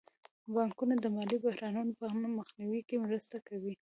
بانکونه د مالي بحرانونو په مخنیوي کې مرسته کوي.